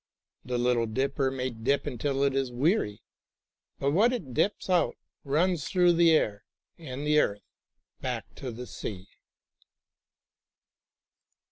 The little dipper may dip until it is weary, but what it dips out runs through the air and the earth back to the sea.